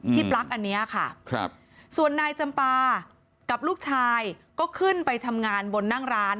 ปลั๊กอันนี้ค่ะส่วนนายจำปากับลูกชายก็ขึ้นไปทำงานบนนั่งร้าน